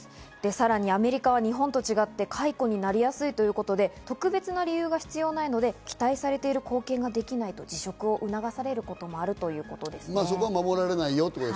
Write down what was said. さらにアメリカは日本と違って解雇になりやすいということで、特別な理由が必要ないので、期待されている貢献ができないと辞職を促されることもあるということです。